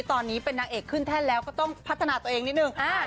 ตอนนี้เป็นนางเอกขึ้นแท่นแล้วก็ต้องพัฒนาตัวเองนิดนึง